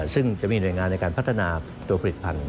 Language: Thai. ซึ่งจะมีหน่วยงานในการพัฒนาตัวผลิตภัณฑ